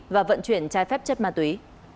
và vận chuyển trái phép chất ma túy